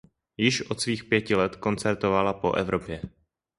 Již od svých pěti let koncertovala po Evropě.